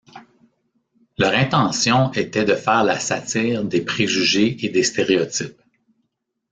Leur intention était de faire la satire des préjugés et des stéréotypes.